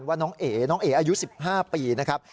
ว่าน้องเอ๋น้องเอ๋อายุ๑๕ปีนะครับ